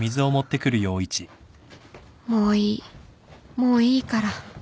もういいもういいから